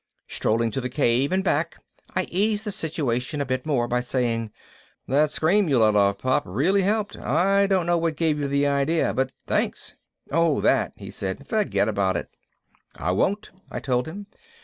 Strolling to the cave and back I eased the situation a bit more by saying, "That scream you let off, Pop, really helped. I don't know what gave you the idea, but thanks." "Oh that," he said. "Forget about it." "I won't," I told him.